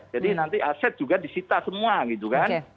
jadi nanti aset juga disita semua gitu kan